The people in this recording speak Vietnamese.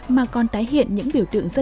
mà còn tái hiện những biểu tượng dân gian